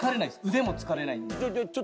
腕も疲れないんで。